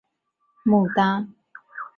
四棱牡丹